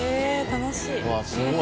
楽しい。